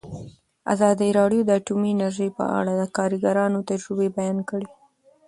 ازادي راډیو د اټومي انرژي په اړه د کارګرانو تجربې بیان کړي.